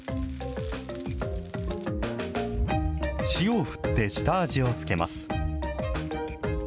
塩を振って下味を付けます。